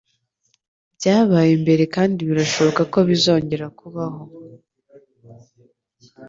Byabaye mbere kandi birashoboka ko bizongera kubaho